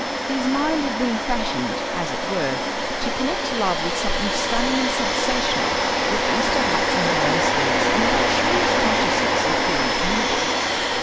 His mind had been fashioned, as it were, to connect love with something stunning and sensational, with Easter hats and harem skirts and the luxurious consciousness of the unattainable.